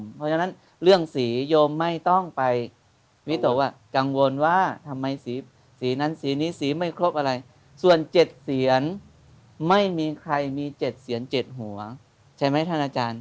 เพราะฉะนั้นเรื่องสีโยมไม่ต้องไปวิตกว่ากังวลว่าทำไมสีนั้นสีนี้สีไม่ครบอะไรส่วน๗เสียนไม่มีใครมี๗เสียน๗หัวใช่ไหมท่านอาจารย์